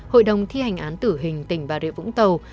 hội đồng thi hành án tử hình tỉnh bà rịa vũng tàu